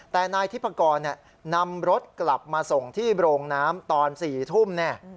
แต่นายทิพกรนำรถกลับมาส่งที่โรงน้ำตอน๔ทุ่ม